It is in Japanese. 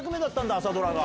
朝ドラが。